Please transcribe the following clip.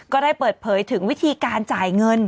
ก็ได้เปิดเผยถึงวิธีการจ่ายเงิน